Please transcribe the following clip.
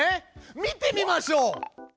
見てみましょう。